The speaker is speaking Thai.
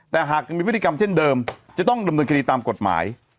แต่หากยังมีพฤติกรรมเช่นเดิมจะต้องดำเนินคดีตามกฎหมาย